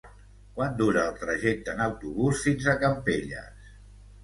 Quant dura el trajecte en autobús fins a Campelles?